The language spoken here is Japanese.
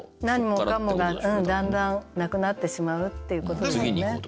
何もかもがだんだんなくなってしまうっていうことだよね。